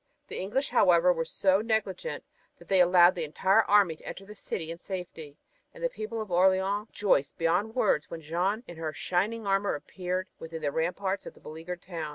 The English, however, were so negligent, that they allowed the entire army to enter the city in safety, and the people of Orleans rejoiced beyond words when Jeanne in her shining armor appeared within the ramparts of the beleaguered town.